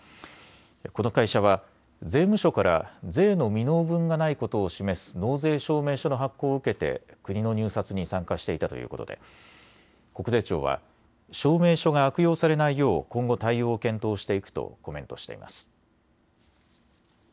この会社は税務署から税の未納分がないことを示す納税証明書の発行を受けて国の入札に参加していたということで国税庁は証明書が悪用されないよう今後、対応を検討していくとコメントしています。